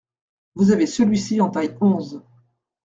Vous avez celui-ci en taille onze.